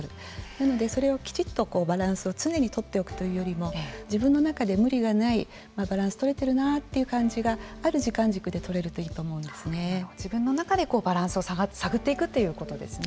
なので、それをきちんとバランスを常に取っておくというよりも自分の中で無理がないバランスをとれてるなという感じがある時間軸でとれるといいと自分の中でバランスを探っていくということですね。